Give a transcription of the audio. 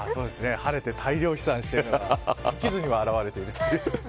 晴れて大量飛散しているのが天気図にも表れているという。